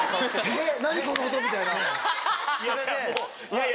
「えっ⁉何この音」みたいな？